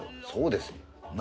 そうです。